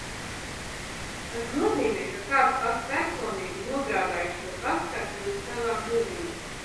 Tas nozīmē, ka kāds pats personīgi nogādājis šo pastkarti līdz tavām durvīm?